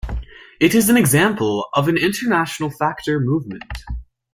It is an example of an international factor movement.